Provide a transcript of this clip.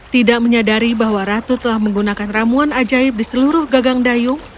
tidak menyadari bahwa ratu telah menggunakan ramuan ajaib di seluruh gagang dayung